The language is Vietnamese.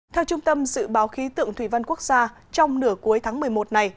theo trung tâm dự báo khí tượng thủy văn quốc gia trong nửa cuối tháng một mươi một này